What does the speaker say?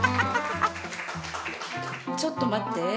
ちょっと待って！